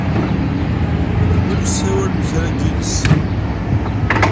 Meden akk ssawalen kra n yiles.